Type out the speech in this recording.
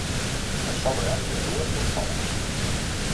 A sobre hi ha dues consoles.